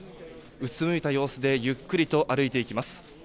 うつむいた様子でゆっくりと歩いていきます。